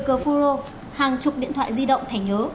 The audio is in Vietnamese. một mươi cờ phô rô hàng chục điện thoại di động thẻ nhớ